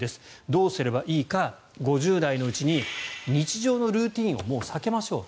どうすればいいか５０代のうちに日常のルーチンをもう避けましょう。